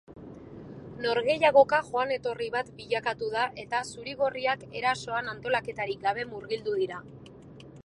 Norgehiagoka joan etorri bat bilakatu da eta zuri-gorriak erasoan antolaketarik gabe murgildu dira.